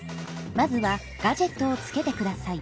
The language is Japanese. まずはガジェットをつけてください。